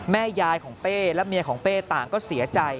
แม่ยายของเป้และเมียของเป้ต่างก็เสียใจ